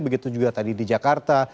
begitu juga tadi di jakarta